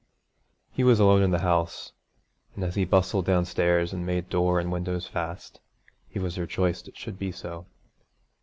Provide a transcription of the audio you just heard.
He was alone in the house, and as he bustled downstairs and made door and windows fast, he was rejoiced it should be so.